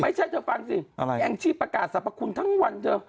เธอฟังสิแองชีพประกาศสรรพคุณทั้งวันเธอ